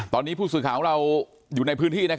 ตอนนี้ผู้สื่อข่าวของเราอยู่ในพื้นที่